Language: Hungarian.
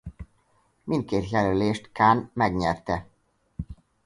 Mindként jelölést Khan megnyerte.